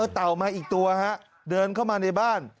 เต่ามาอีกตัวฮะเดินเข้ามาในบ้าน